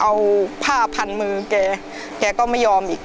รายการต่อไปนี้เป็นรายการทั่วไปสามารถรับชมได้ทุกวัย